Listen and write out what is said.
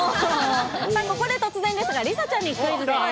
ここで突然ですが、梨紗ちゃんにクイズです。